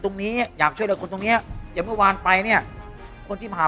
ตรงนี้อยากช่วยคนตรงนี้อย่างเมื่อวานไปเนี่ยคนที่มาหา